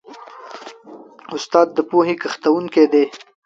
استاد د پوهې کښتونکی دی.